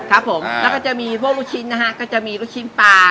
ครับผมแล้วก็จะมีพวกลูกชิ้นนะฮะก็จะมีลูกชิ้นปลา